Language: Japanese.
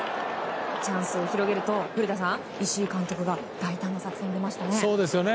チャンスを広げると古田さん、石井監督が大胆な作戦に出ましたね。